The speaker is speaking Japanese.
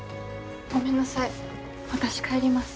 ごめんなさい私帰ります。